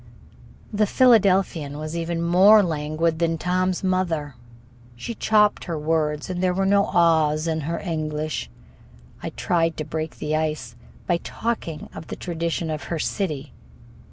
The Philadelphian was even more languid than Tom's mother. She chopped her words and there were no r's in her English. I tried to break the ice by talking of the traditions of her city.